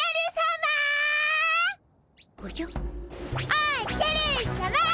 おっじゃるっさま！